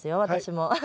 私も。